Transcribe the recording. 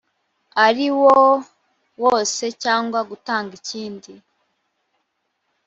ariwo wose cyangwa gutanga ikindi